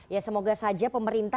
ya semoga saja pemerintah